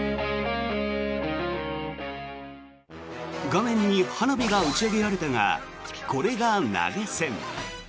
画面に花火が打ち上げられたがこれが投げ銭。